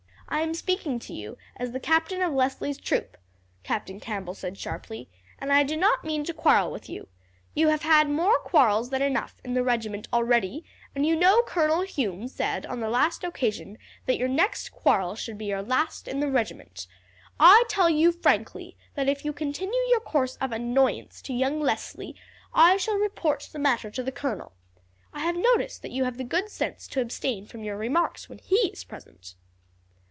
"I am speaking to you as the captain of Leslie's troop," Captain Campbell said sharply, "and I do not mean to quarrel with you. You have had more quarrels than enough in the regiment already, and you know Colonel Hume said on the last occasion that your next quarrel should be your last in the regiment. I tell you frankly, that if you continue your course of annoyance to young Leslie I shall report the matter to the colonel. I have noticed that you have the good sense to abstain from your remarks when he is present."